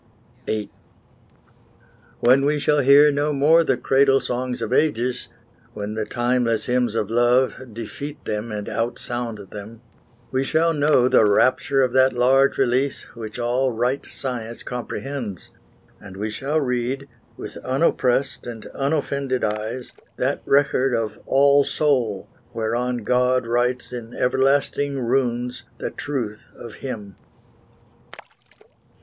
VIII When we shall hear no more the cradle songs Of ages when the timeless hymns of Love Defeat them and outsound them we shall know The rapture of that large release which all Right science comprehends; and we shall read, With unoppressed and unoffended eyes, That record of All Soul whereon God writes In everlasting runes the truth of Him.